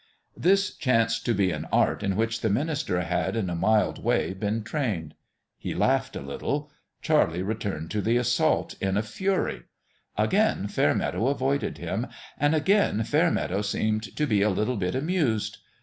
This chanced to be an art in which the minister had in a mild way been trained. He laughed a little. Charlie returned to the assault BILLY the BEAST STARTS HOME 121 in a fury. Again Fairmeadow avoided htm. And again Fairmeadow seemed to be a little bit amused.